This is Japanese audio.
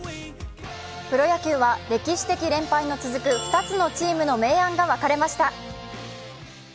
プロ野球は歴史的連敗が続く２つのチームの明暗が分かれました。